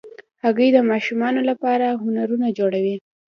هګۍ د ماشومانو لپاره هنرونه جوړوي.